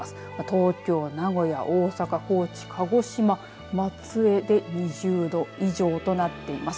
東京、名古屋、大阪高知、鹿児島松江で２０度以上となっています。